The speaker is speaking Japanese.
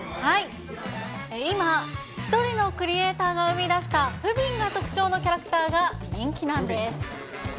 今、１人のクリエーターが生み出した不憫が特徴のキャラクターが人気なんです。